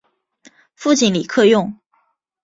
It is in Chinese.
父亲李克用。